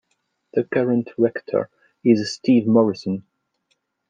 The current Rector is Steve Morrison.